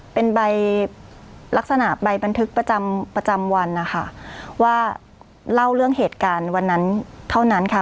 เป็นใบลักษณะใบบันทึกประจำประจำวันนะคะว่าเล่าเรื่องเหตุการณ์วันนั้นเท่านั้นค่ะ